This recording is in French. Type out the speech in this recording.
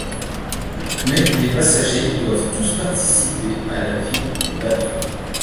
Mais les passagers doivent tous participer à la vie du bateau.